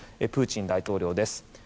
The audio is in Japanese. プーチン大統領です。